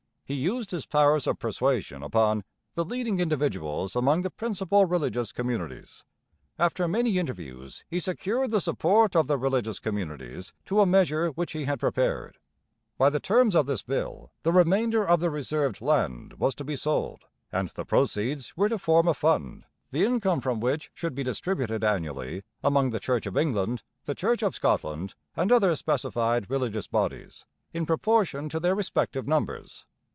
He used his powers of persuasion upon 'the leading individuals among the principal religious communities.' After 'many interviews' he secured the support of the religious communities to a measure which he had prepared. By the terms of this bill the remainder of the reserved land was to be sold and the proceeds were to form a fund, the income from which should be distributed annually among the Church of England, the Church of Scotland, and other specified religious bodies, 'in proportion to their respective numbers.'